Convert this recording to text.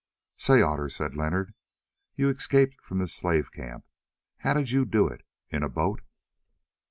"Say, Otter," said Leonard, "you escaped from this slave camp. How did you do it—in a boat?"